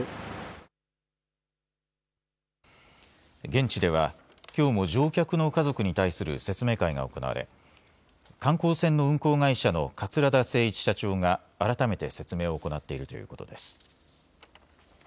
現地ではきょうも乗客の家族に対する説明会が行われ観光船の運航会社の桂田精一社長が改めて説明を行っているということです。